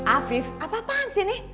afif apa apaan sih ini